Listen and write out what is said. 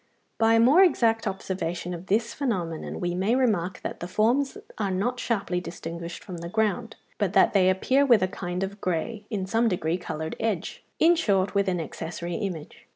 By a more exact observation of this phenomenon we may remark that the forms are not sharply distinguished from the ground, but that they appear with a kind of grey, in some degree, coloured edge; in short, with an accessory image.